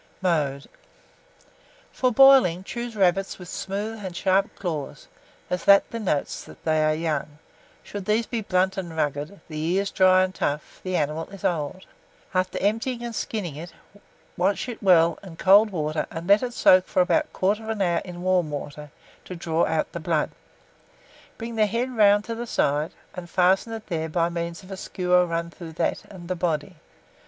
Mode. For boiling, choose rabbits with smooth and sharp claws, as that denotes they are young: should these be blunt and rugged, the ears dry and tough, the animal is old. After emptying and skinning it, wash it well in cold water, and let it soak for about 1/4 hour in warm water, to draw out the blood. Bring the head round to the side, and fasten it there by means of a skewer run through that and the body.